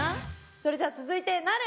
それじゃあ続いてなる。